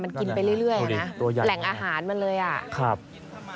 มันกินไปเรื่อยนะแหล่งอาหารมันเลยอ่ะครับดูดิตัวใหญ่มาก